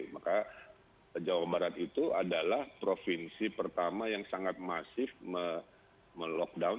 maka jawa barat itu adalah provinsi pertama yang sangat masif melockdown